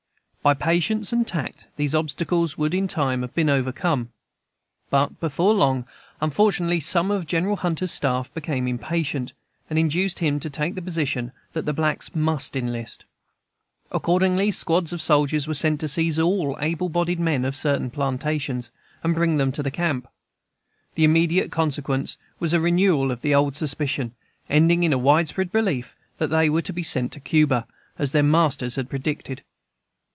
By patience and tact these obstacles would in time have been overcome. But before long, unfortunately, some of General Hunter's staff became impatient, and induced him to take the position that the blacks must enlist. Accordingly, squads of soldiers were sent to seize all the able bodied men on certain plantations, and bring them to the camp. The immediate consequence was a renewal of the old suspicion, ending in a widespread belief that they were to be sent to Cuba, as their masters had predicted.